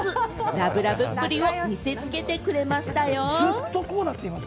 ラブラブっぷりを見せつけてくれましたよ。